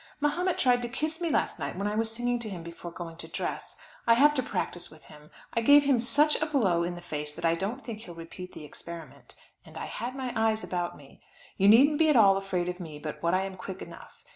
Mahomet tried to kiss me last night when I was singing to him before going to dress. I have to practise with him. I gave him such a blow in the face that I don't think he'll repeat the experiment, and I had my eyes about me. You needn't be at all afraid of me but what I am quick enough.